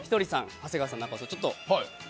長谷川さん、中尾さん。